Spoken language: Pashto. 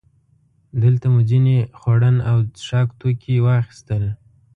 دلته مو ځینې خوړن او څښاک توکي واخیستل.